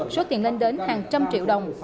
số tiền lên đến hàng trăm triệu đồng